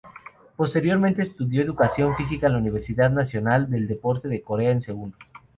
Posteriormente estudió educación física en la Universidad Nacional del Deporte de Corea en Seúl.